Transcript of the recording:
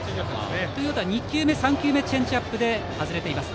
ということは２球目、３球目がチェンジアップで外れています。